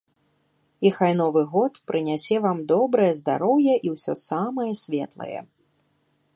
І хай новы год прынясе вам добрае здароўе і ўсё самае светлае.